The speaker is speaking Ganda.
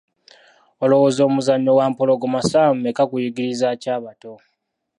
Olowooza omuzannyo ‘Wampologoma ssaawa mmeka’ guyigiriza ki abato?